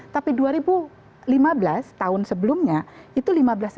tapi dua ribu lima belas tahun sebelumnya itu lima belas enam ratus